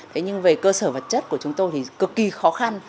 thế nhưng về cơ sở vật chất của chúng tôi thì cực kỳ khó khăn